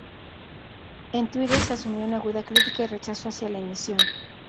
En Twitter se asumió una aguda crítica y rechazo hacia la emisión.